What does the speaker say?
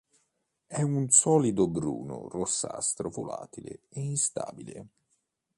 È un solido bruno rossastro volatile e instabile.